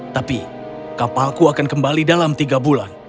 tapi kapalku akan kembali dalam tiga bulan